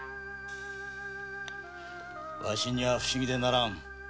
ワシには不思議でならん。